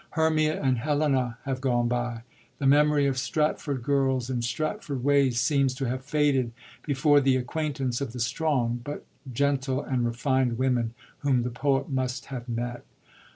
Hermia and Helena have gone by; the memory of Stratford girls and Stratford ways seems to have faded before the acquaintance of the strong, but gentle and refined women whom the poet must have met.